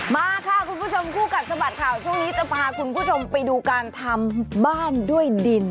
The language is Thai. มาค่ะคุณผู้ชมคู่กัดสะบัดข่าวช่วงนี้จะพาคุณผู้ชมไปดูการทำบ้านด้วยดิน